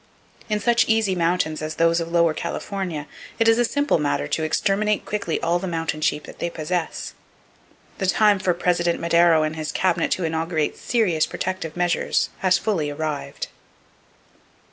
In such easy mountains as those of Lower California, it is a simple matter to exterminate quickly all the mountain sheep that they possess. The time for President Madero and his cabinet to inaugurate serious protective measures has fully arrived.